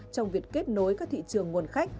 trong việc kết nối các thị trường nguồn khách